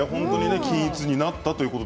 均一になったということで。